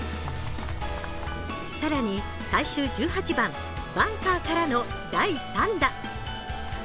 更に最終１８番バンカーからの第３打。